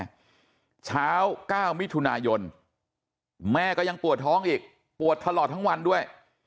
เช้า๙มิถุนายนแม่ก็ยังปวดท้องอีกปวดตลอดทั้งวันด้วย